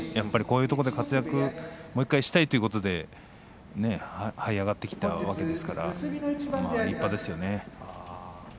こういうところでもう一度活躍したいということではい上がってきたわけですから立派ですよね。